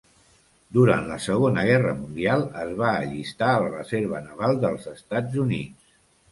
Durant la Segona Guerra Mundial es va allistar a la Reserva Naval dels Estats Units.